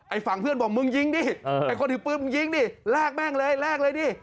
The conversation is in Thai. ฝั่งเพื่อนบอกมึงยิงดิไอ้คนถือปืนมึงยิงดิลากแม่งเลยแลกเลยดิ